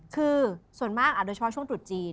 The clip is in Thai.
คือส่วนมากโดยเฉพาะช่วงตรุษจีน